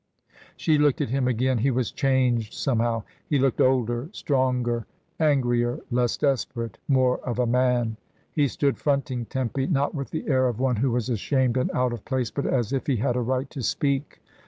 She looked at him again. He was changed somehow; he looked older, stronger, angrier, less desperate, more of a man. He stood fronting Tempy, not with the air of one who was ashamed and out of place, but as if he had ^ right to speak.